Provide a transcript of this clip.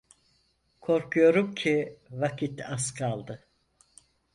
Korkuyorum ki, vakit az kaldı!